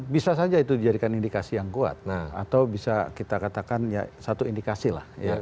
bisa saja itu dijadikan indikasi yang kuat atau bisa kita katakan ya satu indikasi lah